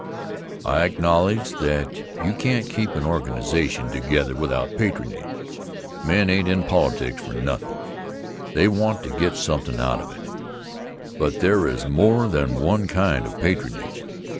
I acknowledge that you can't keep an organization together without patronage. Men ain't in politics for nothin'. They want to get somethin' out of it. But there is more than one kind of patronage.